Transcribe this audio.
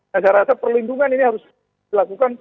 nah saya rasa perlindungan ini harus dilakukan